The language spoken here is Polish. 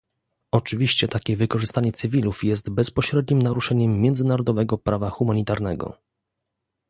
Oczywiście takie wykorzystanie cywilów jest bezpośrednim naruszeniem międzynarodowego prawa humanitarnego